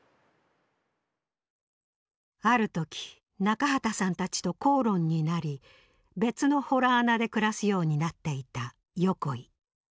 あるとき中畠さんたちと口論になり別の洞穴で暮らすようになっていた横井。